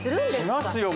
しますよ